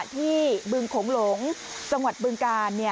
บึงโขงหลงจังหวัดบึงกาล